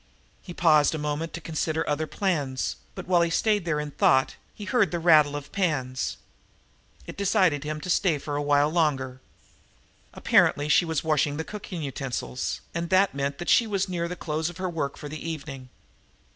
He paused a moment to consider other plans, but, while he stayed there in thought, he heard the rattle of pans. It decided him to stay a while longer. Apparently she was washing the cooking utensils, and that meant that she was near the close of her work for the evening.